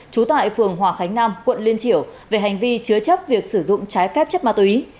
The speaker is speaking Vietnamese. trú tại phường hòa khánh nam quận liên triểu về hành vi chứa chấp việc sử dụng trái phép chất ma túy